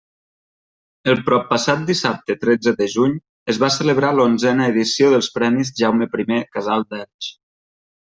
El proppassat dissabte tretze de juny es va celebrar l'onzena edició dels premis Jaume I – Casal d'Elx.